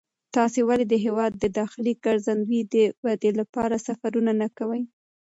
تاسې ولې د هېواد د داخلي ګرځندوی د ودې لپاره سفرونه نه کوئ؟